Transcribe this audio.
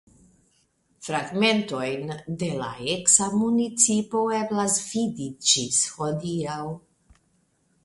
Fragmentojn de la eksa municipo eblas vidi ĝis hodiaŭ.